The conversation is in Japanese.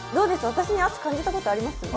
私の圧を感じたことあります？